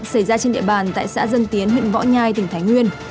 xảy ra trên địa bàn tại xã dân tiến huyện võ nhai tỉnh thái nguyên